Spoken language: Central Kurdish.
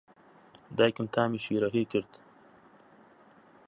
دایکم تامی شیرەکەی کرد.